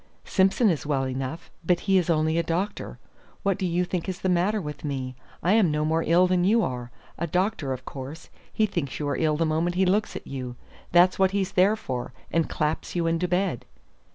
Simson is well enough; but he is only a doctor. What do you think is the matter with me? I am no more ill than you are. A doctor, of course, he thinks you are ill the moment he looks at you that's what he's there for and claps you into bed."